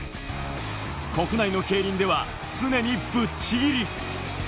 国内の競輪では常にぶっちぎり。